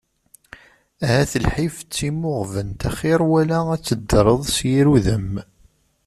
Ahat lḥif d timuɣbent axir, wala ad teddreḍ s yir udem.